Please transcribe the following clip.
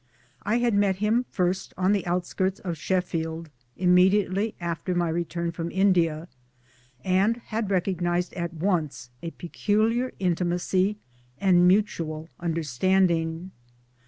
I had met him first on the outskirts of Sheffield immediately after my return from India, and had recognized at once a peculiar intimacy and mutual understanding.